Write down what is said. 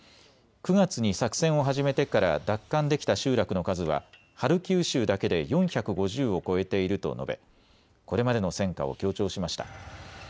９月に作戦を始めてから奪還できた集落の数はハルキウ州だけで４５０を超えていると述べこれまでの戦果を強調しました。